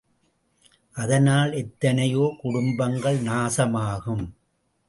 அதனால் எத்தனையோ குடும்பங்கள் நாசமாகும்.